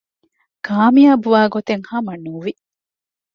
ކާމިޔާބުވާގޮތެއް ހަމަ ނުވި